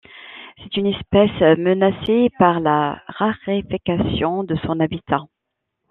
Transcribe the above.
C'est une espèce menacée par la raréfaction de son habitat.